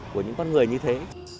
của những con người như thế